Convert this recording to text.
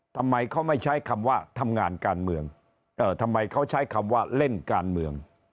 ทำไมเขาไม่ใช้คำว่าทำงานการเมืองเอ่อทำไมเขาใช้คำว่าเล่นการเมือง